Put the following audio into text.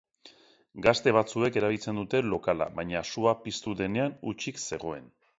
Gazte batzuek erabiltzen dute lokala, baina sua piztu denean hutsik zegoen.